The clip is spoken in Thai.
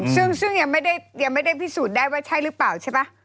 ซึ่งยังไม่ได้พิสูจน์ได้ว่าใช่หรือเปล่าใช่ปะ